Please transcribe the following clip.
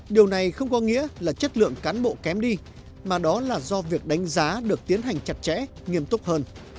điều này không có nghĩa là chất lượng cán bộ kém đi mà đó là do việc đánh giá được tiến hành chặt chẽ nghiêm túc hơn